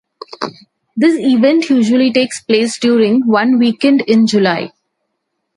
This event usually takes place during one weekend in July.